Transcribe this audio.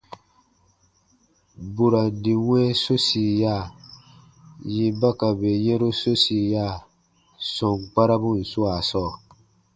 Burandi wɛ̃ɛ sosiya, yè ba ka bè yɛ̃ru sosiya sɔm kparabun swaa sɔɔ.